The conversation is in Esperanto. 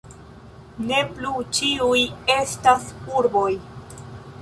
Ne plu ĉiuj estas urboj.